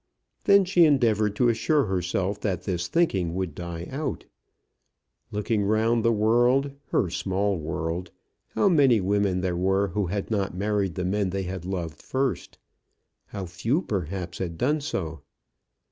Then she endeavoured to assure herself that this thinking would die out. Looking round the world, her small world, how many women there were who had not married the men they had loved first! How few, perhaps, had done so!